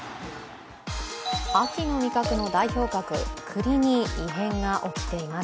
秋の味覚の代表格・栗に異変が起きています。